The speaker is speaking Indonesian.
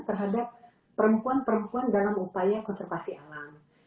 terhadap perempuan perempuan dalam upaya konservasi alam